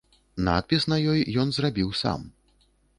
Надпіс на ёй ён зрабіў сам.